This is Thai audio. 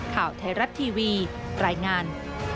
ข่าวไทยรัฐทีวีรายงาน